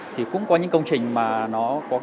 thì cũng có những công trình mà nó có